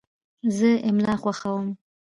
زه املا خوښوم.